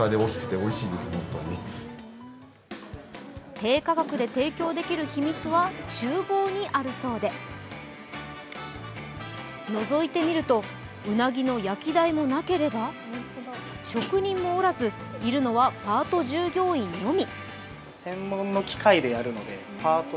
低価格で提供できる秘密はちゅう房にあるそうでのぞいてみると、うなぎの焼き台もなければ職人もおらず、いるのはパート従業員のみ。